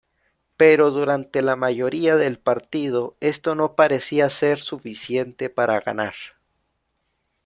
Pero durante la mayoría del partido, esto no parecía ser suficiente para ganar.